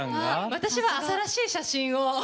私は朝らしい写真を。